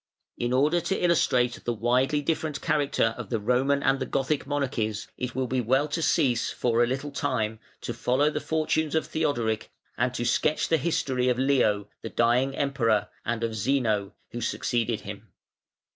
In order to illustrate the widely different character of the Roman and the Gothic monarchies it will be well to cease for a little time to follow the fortunes of Theodoric and to sketch the history of Leo, the dying Emperor, and of Zeno, who succeeded him.